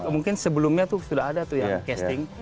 mungkin sebelumnya tuh sudah ada tuh yang casting